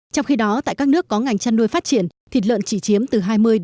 trong khi đó tại các nước có ngành chăn nuôi phát triển thịt lợn chỉ chiếm từ hai mươi ba mươi